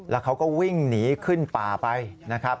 แล้วเขาก็วิ่งหนีขึ้นป่าไปนะครับ